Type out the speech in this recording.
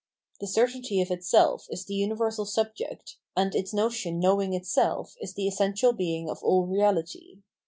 The certainty of itself is the universal subject, and its notion knowing itself is the essential being of aU reality.